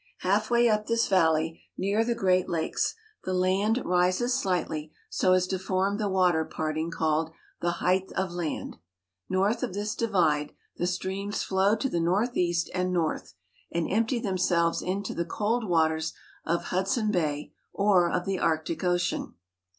Halfway up this valley, near the Great Lakes, the land rises slightly so as to form the water parting called the Height of Land. North of this divide the streams flow to the northeast and north, and empty themselves into the cold waters of Hudson Bay or of the Arctic Ocean.